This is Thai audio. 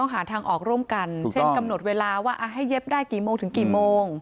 หาทางออกร่วมกันเช่นกำหนดเวลาว่าให้เย็บได้กี่โมงถึงกี่โมง